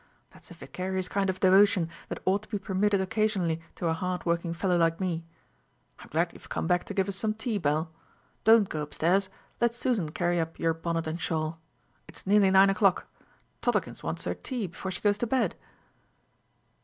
That's a vicarious kind of devotion that ought to be permitted occasionally to a hard working fellow like me. I'm glad you've come back to give us some tea, Belle. Don't go upstairs; let Susan carry up your bonnet and shawl. It's nearly nine o'clock. Toddlekins wants her tea before she goes to bed."